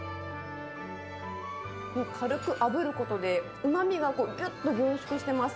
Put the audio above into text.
軽くあぶることで、うまみがこう、ぎゅっと凝縮してます。